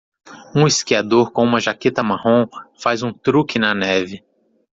Um esquiador com uma jaqueta marrom faz um truque na neve.